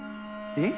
えっ？